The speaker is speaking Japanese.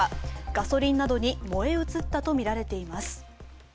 ガソリンなどに燃え移ったとみられています。